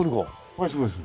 はいそうです。